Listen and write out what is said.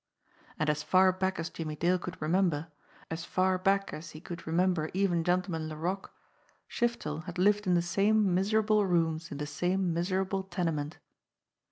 And as far back as Jimmie Dale could remember, as far back as he could remember even Gentleman Laroque, Shiftel had lived in the same miserable rooms in the same miserable tenement.